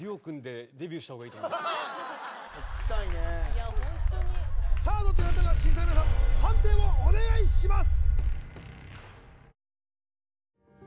もう聴きたいねいやホントにさあどっちがよかったか審査員の皆さん判定をお願いします！